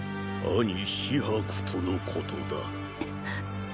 兄紫伯とのことだ。！